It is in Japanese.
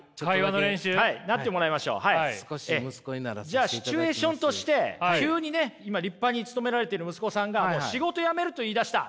じゃあシチュエーションとして急にね今立派に勤められている息子さんが「仕事辞める」と言いだした。